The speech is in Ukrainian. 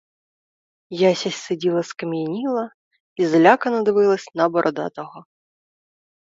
Яся сиділа скам'яніла і злякано дивилась на бородатого.